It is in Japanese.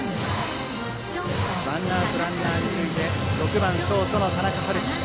ワンアウトランナー、二塁で６番ショートの田中春樹。